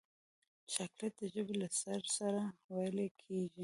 چاکلېټ د ژبې له سر سره ویلې کېږي.